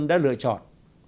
đã lựa chọn